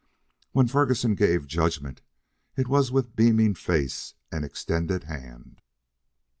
When Ferguson gave judgment, it was with beaming face and extended hand.